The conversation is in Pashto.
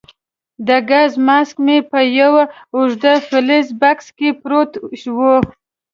د ګاز ماسک مې په یو اوږد فلزي بکس کې پروت وو.